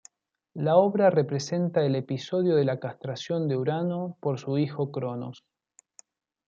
La obra representa el episodio de la castración de Urano por su hijo Cronos.